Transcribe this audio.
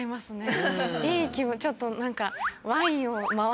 いい気分ちょっと何か。